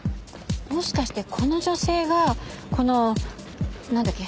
もしかしてこの女性がこのなんだっけ？